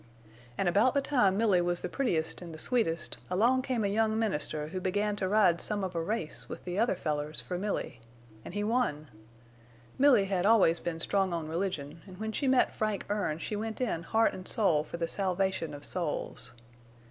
"An' about the time Milly was the prettiest an' the sweetest, along came a young minister who began to ride some of a race with the other fellers for Milly. An' he won. Milly had always been strong on religion, an' when she met Frank Erne she went in heart an' soul for the salvation of souls.